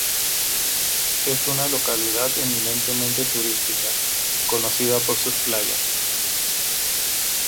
Es una localidad eminentemente turística, conocida por sus playas.